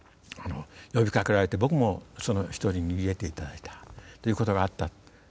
僕もその一人に入れていただいたということがあった。